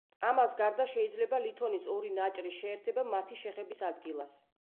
ამას გარდა, შეიძლება ლითონის ორი ნაჭრის შეერთება მათი შეხების ადგილას.